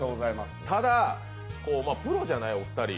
ただ、プロじゃないお二人。